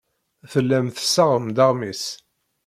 Tellam tessaɣem-d aɣmis.